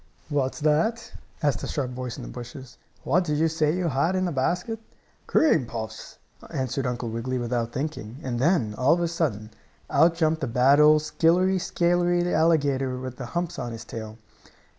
"What's that?" asked a sharp voice in the bushes. "What did you say you had in the basket?" "Cream puffs," answered Uncle Wiggily, without thinking, and then, all of a sudden, out jumped the bad old skillery scalery alligator with the humps on his tail.